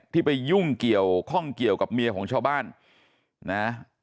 ไปยุ่งเกี่ยวข้องเกี่ยวกับเมียของชาวบ้านนะ